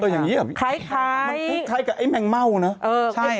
ตัวอย่างเงียบคล้ายคล้ายคล้ายกับไอ้แมงเม่านะเออใช่